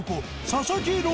佐々木朗